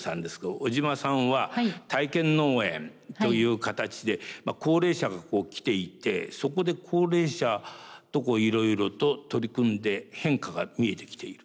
小島さんは体験農園という形で高齢者が来ていてそこで高齢者といろいろと取り組んで変化が見えてきている？